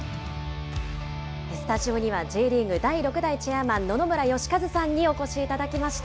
スタジオには、Ｊリーグ第６代チェアマン、野々村芳和さんにお越しいただきました。